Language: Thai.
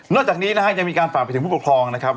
จากนี้นะฮะยังมีการฝากไปถึงผู้ปกครองนะครับ